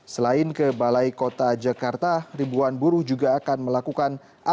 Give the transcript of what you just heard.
selain ke balai kota jakarta ribuan buruh juga akan melakukan